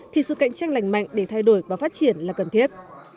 thì sự cạnh tranh lành mạnh để thay đổi và phát triển là cần thiết